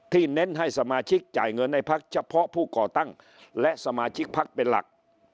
เน้นให้สมาชิกจ่ายเงินให้พักเฉพาะผู้ก่อตั้งและสมาชิกพักเป็นหลัก